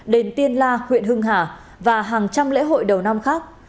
đền tiên la huyện hưng hà và hàng trăm lễ hội đầu năm khác